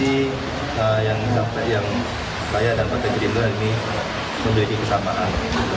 tapi yang saya dan partai gerindra ini memiliki kesamaan